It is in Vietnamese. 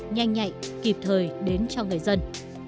nhanh nhạy kịp thời đến cho người dân